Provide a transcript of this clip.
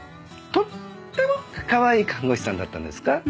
とってもかわいい看護師さんだったんですか？